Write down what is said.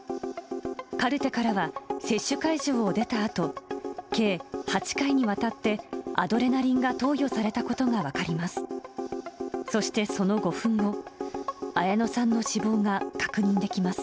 カルテからは、接種会場を出たあと、計８回にわたってアドレナリンが投与されたことが分かります。